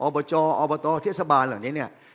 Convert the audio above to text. อบจอบตเทศบาลหลังนี้เนี่ย